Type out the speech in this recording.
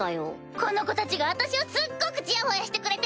この子たちが私をすっごくちやほやしてくれてんのよ！